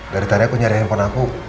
dari tadi aku nyari handphone aku